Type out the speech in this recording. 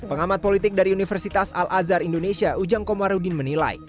pengamat politik dari universitas al azhar indonesia ujang komarudin menilai